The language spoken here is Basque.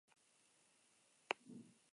Garrantzitsuena gola dela ikasi dut.